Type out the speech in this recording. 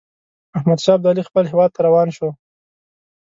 احمدشاه ابدالي خپل هیواد ته روان شو.